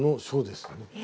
そうですね。